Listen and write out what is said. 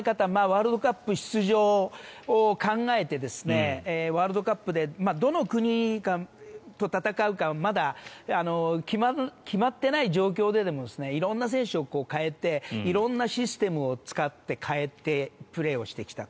ワールドカップ出場を考えてワールドカップでどの国と戦うかまだ、決まっていない状況ででも色んな選手を代えて色んなシステムを使って変えて、プレーをしてきた。